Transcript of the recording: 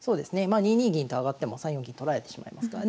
まあ２二銀と上がっても３四銀取られてしまいますからね